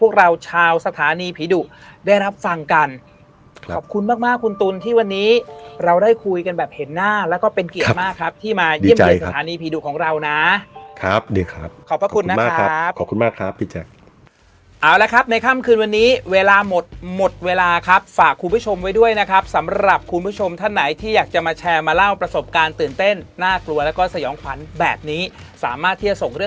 ครับขอบคุณมากมากคุณตุ๋นที่วันนี้เราได้คุยกันแบบเห็นหน้าแล้วก็เป็นเกียรติมากครับที่มาเยี่ยมกับฐานีพีดุของเรานะครับดีครับขอบคุณมากครับขอบคุณมากครับพี่แจ็คเอาละครับในค่ำคืนวันนี้เวลาหมดหมดเวลาครับฝากคุณผู้ชมไว้ด้วยนะครับสำหรับคุณผู้ชมท่านไหนที่อยากจะมาแชร์มาเล่าประสบการณ์ตื่